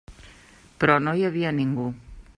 Però no hi havia ningú.